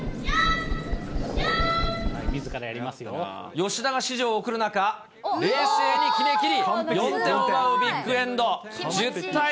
吉田が指示を送る中、冷静に決めきり４点を奪うビッグエンド。